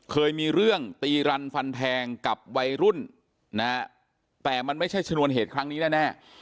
เคยมีเรื่องตีรันฟันแทงกับวัยรุ่นนะฮะแต่มันไม่ใช่ชนวนเหตุครั้งนี้แน่